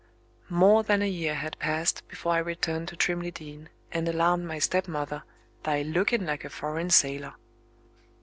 More than a year had passed before I returned to Trimley Deen, and alarmed my stepmother by "looking like a foreign sailor."